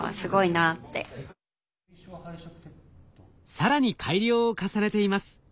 更に改良を重ねています。